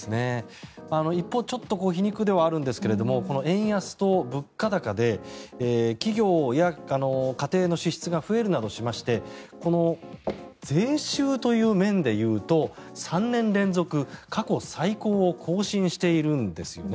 一方ちょっと皮肉ではあるんですが円安と物価高で、企業や家庭の支出が増えるなどしましてこの税収という面で言うと３年連続、過去最高を更新しているんですよね。